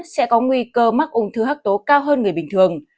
sẽ có nguy cơ mắc ung thư hấp tố cao hơn người bình thường